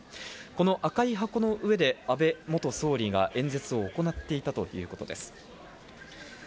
この赤い箱の上で安倍元総理が演説を行っていたということです。